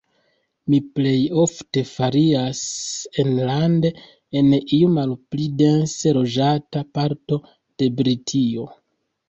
Mi plejofte ferias enlande, en iu malpli dense loĝata parto de Britio.